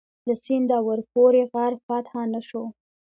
له سینده ورپورې غر فتح نه شو.